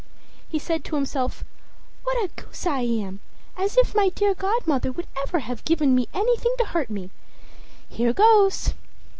He said to himself: "What a goose I am! As if my dear godmother would ever have given me anything to hurt me. Here goes!"